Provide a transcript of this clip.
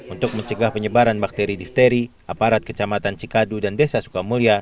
untuk mencegah penyebaran bakteri difteri aparat kecamatan cikadu dan desa sukamulya